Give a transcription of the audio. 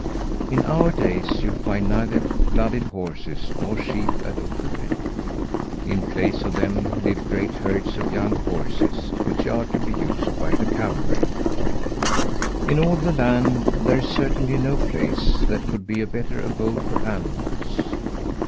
In our days you'll find neither blooded horses nor sheep at Ottenby. In place of them live great herds of young horses, which are to be used by the cavalry. In all the land there is certainly no place that could be a better abode for animals.